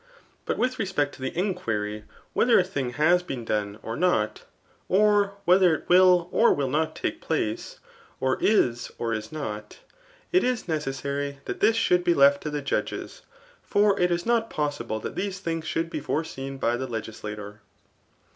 Bat with respect to the enquhy whether a thii^ has been done or not, or whether it will or will not take pface, or is or is not, it is necessary^ that this should be Idft to the judges ; for it is not poss&le that these things should be foreseen by the legislator.